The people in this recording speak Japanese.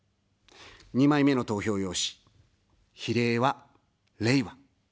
２枚目の投票用紙、比例は、れいわ。